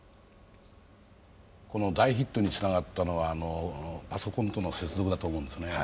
この大ヒットにつながったのはパソコンとの接続だと思うんですね。